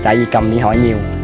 tại vì cầm điện thoại nhiều